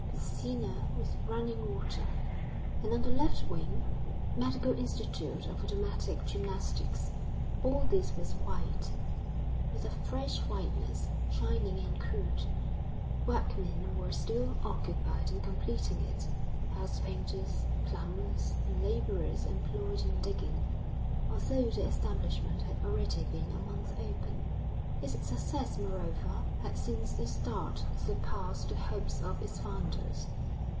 Piscina with running water." And, on the left wing: "Medical institute of automatic gymnastics." All this was white, with a fresh whiteness, shining and crude. Workmen were still occupied in completing it house painters, plumbers, and laborers employed in digging, although the establishment had already been a month open. Its success, moreover, had since the start, surpassed the hopes of its founders.